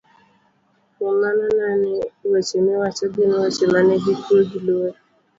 Kuom mano, ne ni weche miwacho gin weche manigi kwe gi luor,